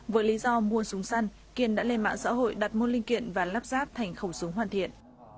với lý do mua súng săn kiên đã lên mạng xã hội đặt môn linh kiện và lắp ráp thành khẩu súng hoàn thiện